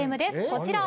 こちら。